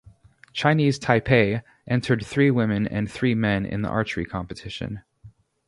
Chinese Taipei entered three women and three men in the archery competition.